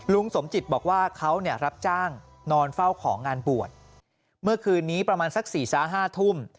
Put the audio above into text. สมจิตบอกว่าเขาเนี่ยรับจ้างนอนเฝ้าของงานบวชเมื่อคืนนี้ประมาณสัก๔๕ทุ่ม